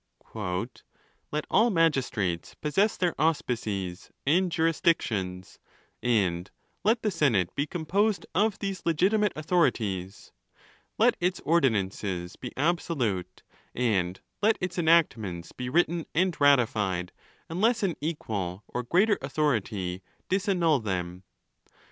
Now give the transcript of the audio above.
« Let all magistrates possess their auspices and jurisdictions, and let the senate be composed of these legitimate authorities. Let its ordinances be absolute, and let its enactments be written and ratified, unless an equal or greater authority dis annul them.